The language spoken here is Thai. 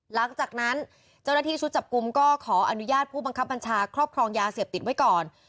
หลังจากนั้นเจ้าหน้าที่ชุดจับกลุ่มก็ขออนุญาตผู้บังคับบัญชาครอบครองยาเสพติดไว้ก่อน